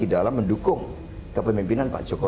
di dalam mendukung kepemimpinan pak jokowi